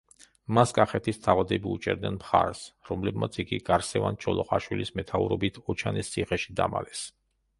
მას კახეთის თავადები უჭერდნენ მხარს, რომლებმაც იგი გარსევან ჩოლოყაშვილის მეთაურობით ოჩანის ციხეში დამალეს.